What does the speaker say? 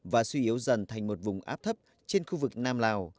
và suy yếu dần thành một vùng áp thấp trên khu vực nam lào